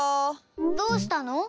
どうしたの？